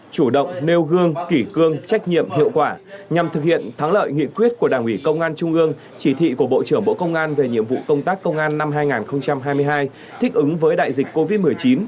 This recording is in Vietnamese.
chủ động nêu gương kỷ cương trách nhiệm hiệu quả nhằm thực hiện thắng lợi nghị quyết của đảng ủy công an trung ương chỉ thị của bộ trưởng bộ công an về nhiệm vụ công tác công an năm hai nghìn hai mươi hai thích ứng với đại dịch covid một mươi chín